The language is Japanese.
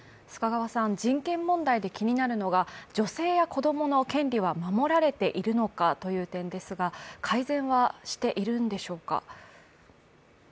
人権問題で気になるのが女性や子供の権利は守られているのかという点ですが、改善はしているんでしょうか？